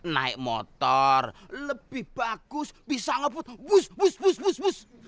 naik motor lebih bagus bisa ngebut bus bus bus bus